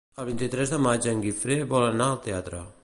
El vint-i-tres de maig en Guifré vol anar al teatre.